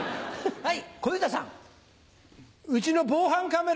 はい。